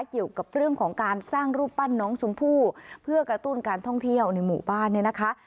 เกี่ยวกับเรื่องของการสร้างรูปปั้นน้องชมพู่เพื่อกระตุ้นการท่องเที่ยวในหมู่บ้านเนี่ยนะคะ